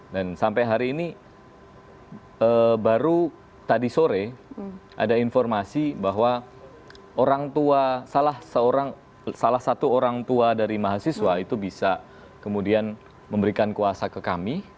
dan sampai hari ini baru tadi sore ada informasi bahwa orang tua salah satu orang tua dari mahasiswa itu bisa kemudian memberikan kuasa ke kami